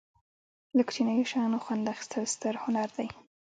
له کوچنیو شیانو خوند اخستل ستر هنر دی.